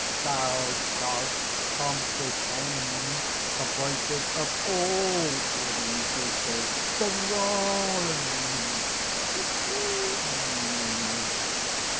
"Thou shalt comprehend the voices of all living creatures, the roarings, the cooings!"